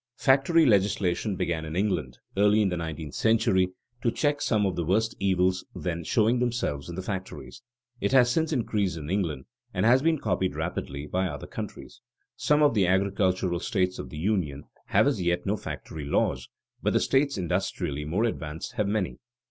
_ Factory legislation began in England, early in the nineteenth century, to check some of the worst evils then showing themselves in the factories. It has since increased in England and has been copied rapidly by other countries. Some of the agricultural states of the Union have as yet no factory laws, but the states industrially more advanced have many.